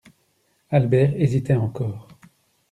Albert hésitait encore.